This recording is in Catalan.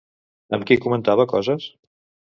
Amb qui comentava coses?